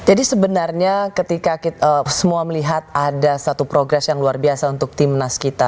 jadi sebenarnya ketika kita semua melihat ada satu progress yang luar biasa untuk tim nas kita